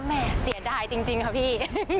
เห็นได้จริงค่ะพี่